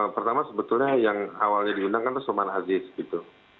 pertama sebetulnya yang awalnya diundangkan itu suleman aziz gitu